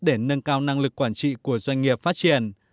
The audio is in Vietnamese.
để nâng cao năng lực quản trị của doanh nghiệp phát triển